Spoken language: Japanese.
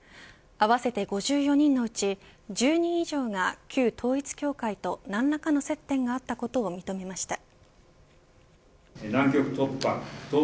合わせて５４人のうち１０人以上が旧統一教会と何らかの接点があったことを認めました。